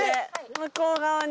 向こう側に。